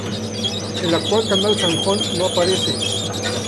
El actual Canal Zanjón no aparece.